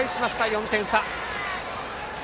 ４点差。